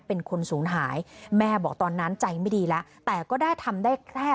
เป็นคนศูนย์หายแม่บอกตอนนั้นใจไม่ดีแล้วแต่ก็ได้ทำได้แค่